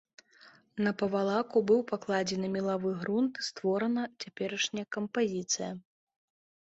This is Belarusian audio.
На павалаку быў пакладзены мелавы грунт і створана цяперашняя кампазіцыя.